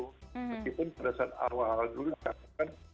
meskipun pada saat awal dulu kita katakan